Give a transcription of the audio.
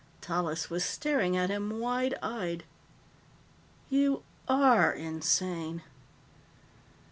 Tallis was staring at him wide eyed. "You are insane."